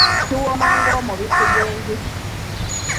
Kiwooma ng’omubisi gw’enjuki